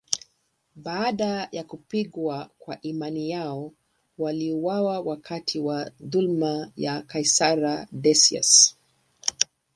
Baada ya kupigwa kwa imani yao, waliuawa wakati wa dhuluma ya kaisari Decius.